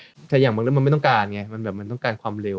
แต่อย่างบางเรื่องมันไม่ต้องการไงมันแบบมันต้องการความเร็ว